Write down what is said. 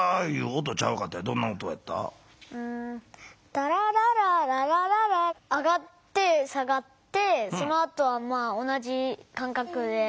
「タラララララララ」上がって下がってそのあとは同じかんかくで。